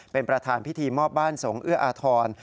เป็นประธานพิธีมอบบ้านสงฆ์เอื้ออาทร